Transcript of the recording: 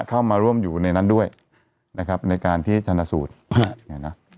เข้ามาร่วมอยู่ในนั้นด้วยนะครับในการที่ชนะสูตรเนี่ยนะ